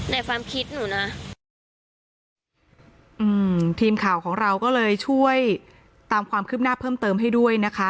ความคิดหนูนะอืมทีมข่าวของเราก็เลยช่วยตามความคืบหน้าเพิ่มเติมให้ด้วยนะคะ